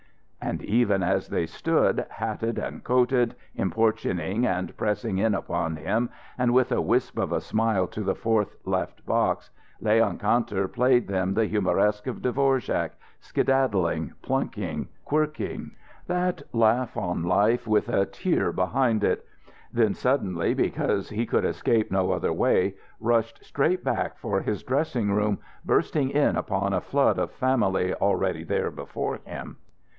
And even as they stood, hatted and coated, importuning and pressing in upon him, and with a wisp of a smile to the fourth left box, Leon Kantor played them the "Humoresque" of Dvorak, skedaddling, plucking, quirking that laugh on life with a tear behind it. Then suddenly, because he could escape no other way, rushed straight back for his dressing room, bursting in upon a flood of family already there before him.